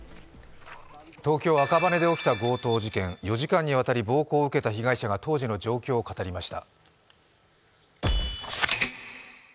東京赤羽で起きた強盗事件４時間もの間、暴行を受けた男性が当時の状況を語りました。